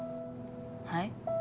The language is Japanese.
はい？